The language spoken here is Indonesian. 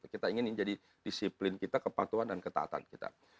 kita ingin menjadi disiplin kita kepatuhan dan ketatan kita